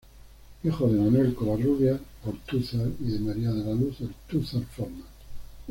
Hijo de Manuel Covarrubias Ortúzar y de María de la Luz Ortúzar Formas.